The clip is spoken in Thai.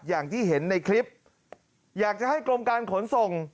อย่างที่เห็นในคลิปอยากจะให้กรมการขนส่ง